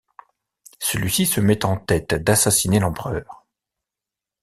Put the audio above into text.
Celui-ci se met en tête d'assassiner l'empereur.